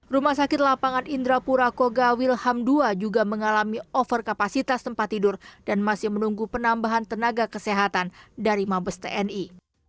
rumah sakit lapangan indrapura koga wilham ii juga mengalami over kapasitas tempat tidur dan masih menunggu penambahan tenaga kesehatan dari mabes tni